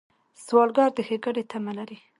سوالګر د ښېګڼې تمه لري